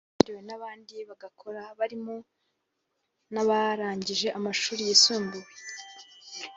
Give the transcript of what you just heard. yakiriwe n’abandi bagakora barimo n’abarangije amashuri yisumbuye